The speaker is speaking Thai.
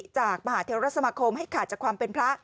จากมหาเทรสมาคมให้ขาดจากความเป็นพระ